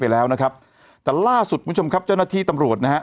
ไปแล้วนะครับแต่ล่าสุดคุณผู้ชมครับเจ้าหน้าที่ตำรวจนะฮะ